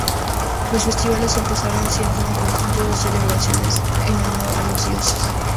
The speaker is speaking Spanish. Los festivales empezaron siendo un conjunto de celebraciones en honor de los dioses.